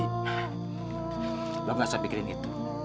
nah lo enggak usah pikirin itu